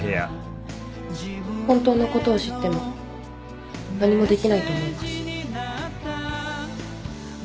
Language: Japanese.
本当のことを知っても何もできないと思います。